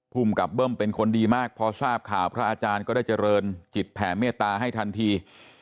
ภูมิกับเบิ้มเป็นคนดีมากพอทราบข่าวพระอาจารย์ก็ได้เจริญจิตแผ่เมตตาให้ทันที